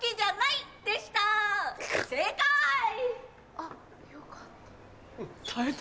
あっよかった。